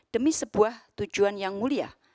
demi sebuah tujuan yang mulia